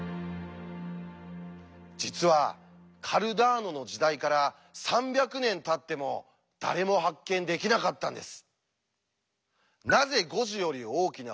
実はカルダーノの時代から３００年たっても誰も発見できなかったんです。